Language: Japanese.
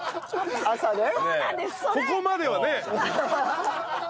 そこまではね。